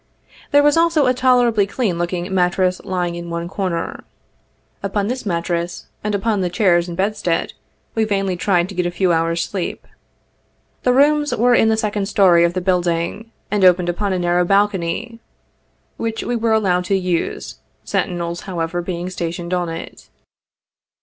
There was also a tolerably clean looking mattress lying in one corner. Upon this mattress, and upon the chairs and bedstead, we vainly tried to get a few hours sleep. The rooms were in the second story of the building, and opened upon a narrow balcony, which we were allowed to use, sentinels, however, being stationed on it.